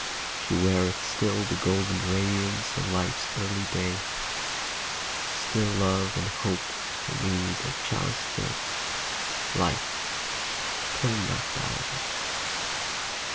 She weareth still The golden radiance of life's early day ; Still Love and Hope for me their chalice fill, — Life, turn not thou away